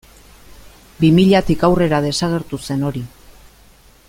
Bi milatik aurrera desagertu zen hori.